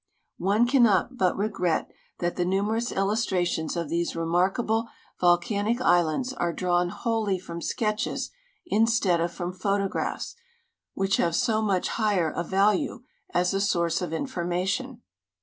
One cannot but regret that the numerous illustrations of these remarkable volcanic islands are drawn wholly from sketches instead of from photographs, which have so much higher a value as a source of information.